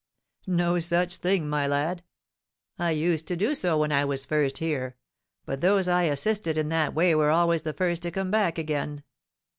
No such thing, my lad! I used to do so when I was first here; but those I assisted in that way were always the first to come back again.'